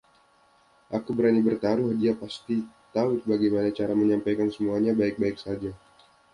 Aku berani bertaruh, dia pasti tahu bagaimana cara menyampaikan semuanya baik-baik saja.